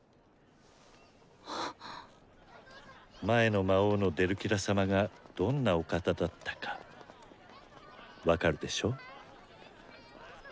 前の魔王のデルキラ様がどんなお方だったか分かるでしょ？